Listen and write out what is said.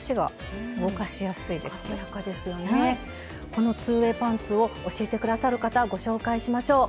この２ｗａｙパンツを教えて下さる方ご紹介しましょう！